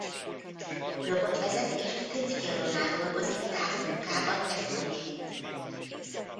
Blogot vezet és egy könyvkiadónál dolgozik távmunkában lektorként.